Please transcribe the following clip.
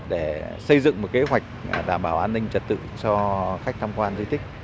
để xây dựng một kế hoạch đảm bảo an ninh trật tự cho khách tham quan di tích